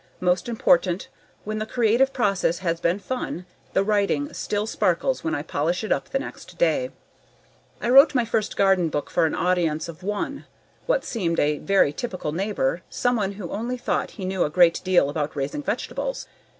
Most important, when the creative process has been fun, the writing still sparkles when I polish it up the next day. I wrote my first garden book for an audience of one: what seemed a very typical neighbor, someone who only thought he knew a great deal about raising vegetables.